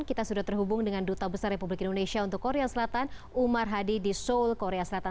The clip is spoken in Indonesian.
kita sudah terhubung dengan duta besar republik indonesia untuk korea selatan umar hadi di seoul korea selatan